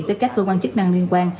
tới các cơ quan chức năng liên quan